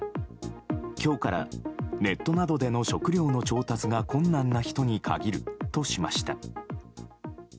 今日から、ネットなどでの食料の調達が困難な人に限るとしました。